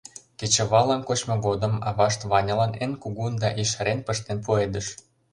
Кечываллан кочмо годым авашт Ванялан эн кугун да ешарен пыштен пуэдыш.